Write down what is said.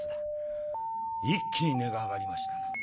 「一気に値が上がりましたな。